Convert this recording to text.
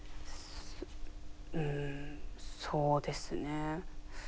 うんそうですね。